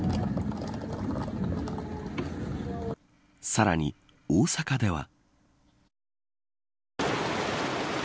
さらに大阪では。